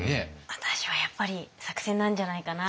私はやっぱり作戦なんじゃないかなと。